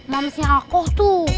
mams yang aku tuh